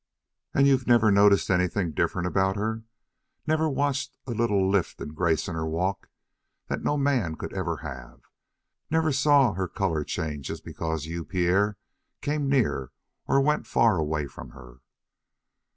"And you've never noticed anything different about her? Never watched a little lift and grace in her walk that no man could ever have; never seen her color change just because you, Pierre, came near or went far away from her?"